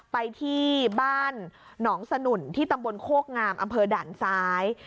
ไปที่บ้านหนองสนุ่นที่ตำบลโคกงามอำเภอด่านซ้าย